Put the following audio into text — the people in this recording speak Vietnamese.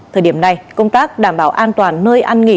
thời điểm này công tác đảm bảo an toàn nơi ăn nghỉ